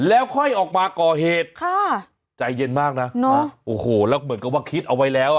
แล้วค่อยออกมาก่อเหตุค่ะใจเย็นมากนะโอ้โหแล้วเหมือนกับว่าคิดเอาไว้แล้วอ่ะ